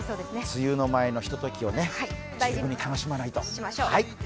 梅雨の前のひとときを十分に楽しまないと。